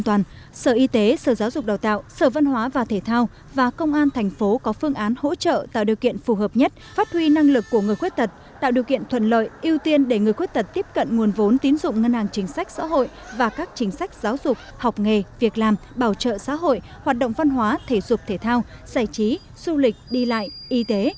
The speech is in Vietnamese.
ủy ban nhân dân tp cũng yêu cầu sở y tế sở giáo dục đào tạo sở văn hóa và thể thao và công an thành phố có phương án hỗ trợ tạo điều kiện phù hợp nhất phát huy năng lực của người khuyết tật tạo điều kiện thuận lợi ưu tiên để người khuyết tật tiếp cận nguồn vốn tín dụng ngân hàng chính sách xã hội và các chính sách giáo dục học nghề việc làm bảo trợ xã hội hoạt động văn hóa thể dục thể thao giải trí du lịch đi lại y tế